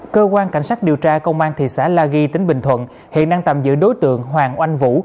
cơ quan cảnh sát điều tra công an thị xã la ghi tỉnh bình thuận hiện đang tạm giữ đối tượng hoàng oanh vũ